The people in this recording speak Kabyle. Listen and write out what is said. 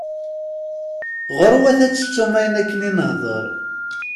Ɣur-wat ad tettum ayen akken i nehder.